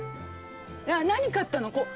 何買ったの？